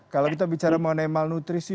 kalau kita bicara mengenai malnutrisi